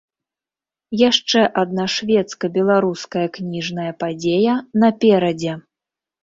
Яшчэ адна шведска-беларуская кніжная падзея наперадзе.